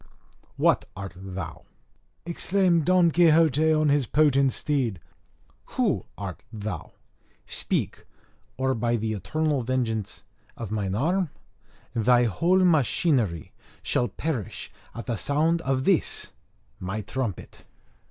_ "What art thou?" exclaimed Don Quixote on his potent steed. "Who art thou? Speak! or, by the eternal vengeance of mine arm, thy whole machinery shall perish at sound of this my trumpet!"